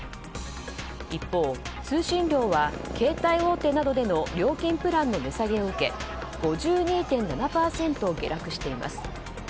一方、通信料は携帯大手などでの料金プランの値下げを受け５２．７％下落しています。